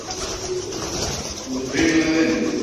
U mbéña len.